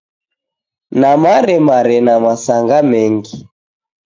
Namaremare na masanga mengi.